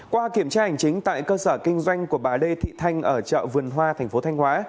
qua kiểm tra hành chính tại cơ sở kinh doanh của bà lê thị thanh ở chợ vườn hoa thành phố thanh hóa